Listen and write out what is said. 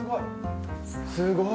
すごい！